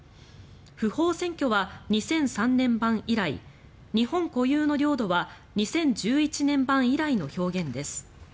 不法占拠は２００３年版以来日本固有の領土は２０１１年版以来の表現です。